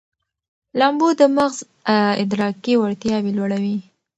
لامبو د مغز ادراکي وړتیاوې لوړوي.